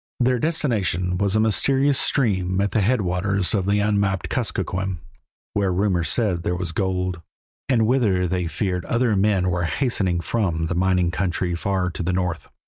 Their destination was a mysterious stream at the headwaters of the unmapped Kuskokwim, where rumor said there was gold, and whither they feared other men were hastening from the mining country far to the north.